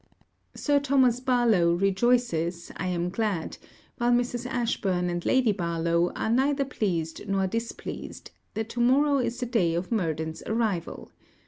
Sir Thomas Barlowe rejoices, I am glad, while Mrs. Ashburn and Lady Barlowe are neither pleased nor displeased, that to morrow is the day of Murden's arrival.